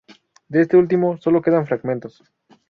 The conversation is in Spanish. De este último, solo quedan fragmentos.